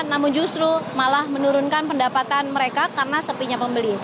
namun justru malah menurunkan pendapatan mereka karena sepinya pembeli